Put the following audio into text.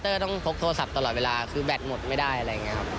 ต้องพกโทรศัพท์ตลอดเวลาคือแบตหมดไม่ได้อะไรอย่างนี้ครับ